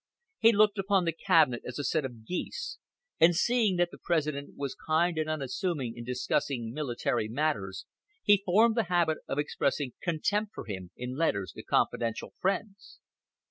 He looked upon the cabinet as a set of "geese," and seeing that the President was kind and unassuming in discussing military affairs, he formed the habit of expressing contempt for him in letters to confidential friends.